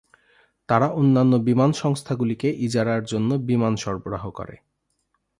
তারা অন্যান্য বিমান সংস্থাগুলিকে ইজারার জন্য বিমান সরবরাহ করে।